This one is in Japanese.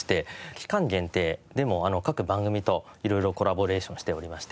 期間限定で各番組と色々コラボレーションしておりまして。